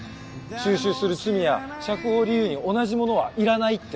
蒐集する罪や釈放理由に同じものはいらないって。